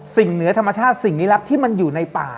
เหนือธรรมชาติสิ่งลี้ลับที่มันอยู่ในป่า